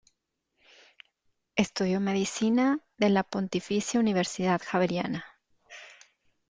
Estudió medicina de la Pontificia Universidad Javeriana.